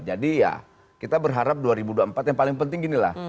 jadi ya kita berharap dua ribu dua puluh empat yang paling penting ginilah